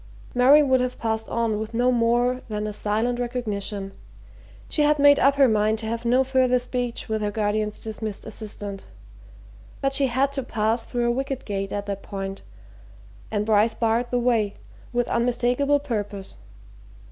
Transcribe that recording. Mary would have passed on with no more than a silent recognition she had made up her mind to have no further speech with her guardian's dismissed assistant. But she had to pass through a wicket gate at that point, and Bryce barred the way, with unmistakable purpose.